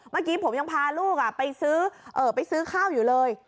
เมื่อกี้ผมยังพาลูกไปซื้อไปซื้อข้าวอยู่เลย